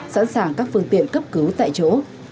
sẵn sàng các phương tiện cấp cứu tại chỗ